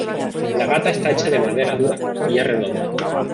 La gata está hecha de madera dura y es redonda.